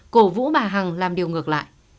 cổ vũ bà hằng làm điều ngược lại